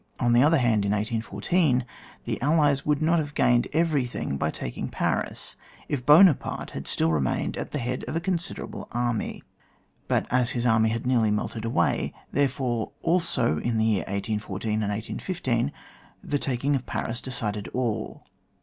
On the other hand, in 1814, tbe allies would not haye gained eyeiything by taking Paria if Buonaparte had still remained at the head of a considerable army; but as his army had nearly melted away, there fore, also in the year 1814 and 1815 the taking of Paris decided all.